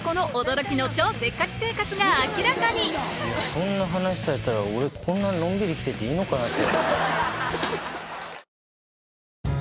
そんな話されたら俺こんなのんびり生きてていいのかなって。